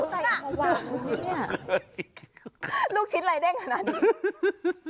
ลักษณะลูกชิ้นอะไรเด้งขนาดนี้